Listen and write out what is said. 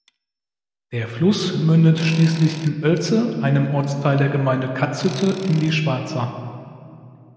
Der Fluss mündet schließlich in Oelze, einem Ortsteil der Gemeinde Katzhütte in die Schwarza.